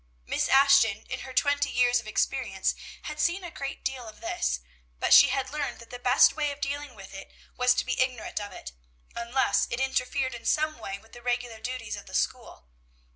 Miss Ashton, in her twenty years of experience had seen a great deal of this; but she had learned that the best way of dealing with it was to be ignorant of it, unless it interfered in some way with the regular duties of the school.